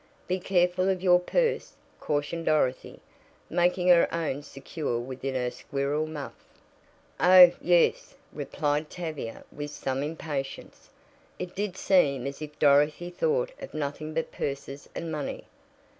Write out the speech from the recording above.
"Be careful of your purse," cautioned Dorothy, making her own secure within her squirrel muff. "Oh, yes," replied Tavia with some impatience. It did seem as if Dorothy thought of nothing but purses and money.